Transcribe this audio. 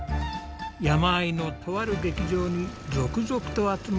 山あいのとある劇場に続々と集まってくる人々。